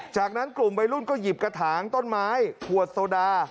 จากนั้นกลุ่มวัยรุ่นก็หยิบกระถางต้นไม้ขวดโซดา